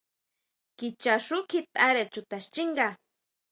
Kicha xú kjitʼare chuta xchínga.